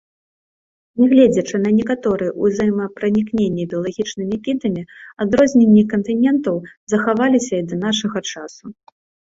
Негледзячы на некаторае узаемапранікненне біялагічнымі відамі, адрозненні кантынентаў захаваліся і да нашага часу.